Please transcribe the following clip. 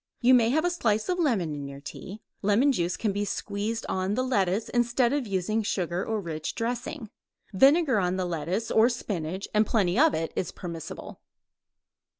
You may have a slice of lemon in your tea. Lemon juice can be squeezed on the lettuce instead of using sugar or rich dressing. Vinegar on the lettuce or spinach, and plenty of it, is permissible.